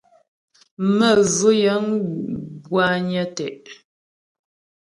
Məvʉ́ yə̂ŋ bwányə́ tə́'.